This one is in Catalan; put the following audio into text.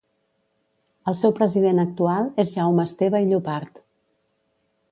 El seu president actual és Jaume Esteve i Llopart.